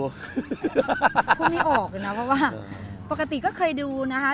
พูดไม่ออกเลยนะเพราะว่าปกติก็เคยดูนะคะ